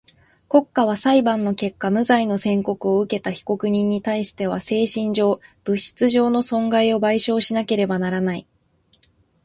国家は裁判の結果無罪の宣告をうけた被告人にたいしては精神上、物質上の損害を賠償しなければならない。